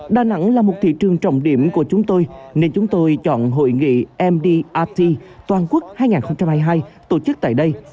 đà nẵng là một thị trường trọng điểm của chúng tôi nên chúng tôi chọn hội nghị mdrt toàn quốc hai nghìn hai mươi hai tổ chức tại đây